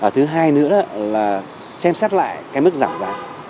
thứ hai nữa là xem xét lại cái mức giảm giá